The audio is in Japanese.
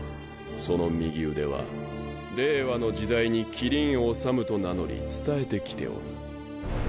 その右腕は令和の時代に希林理と名乗り伝えてきておる。